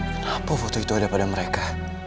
kenapa foto itu ada pada mereka